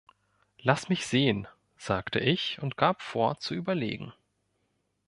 „Lass mich sehen“, sagte ich und gab vor zu überlegen.